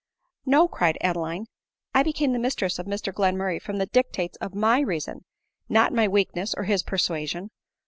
" No," cried Adeline ;" I became the mistress of Mr Glenmurray from the dictates of my reason, not my weakness or his persuasion."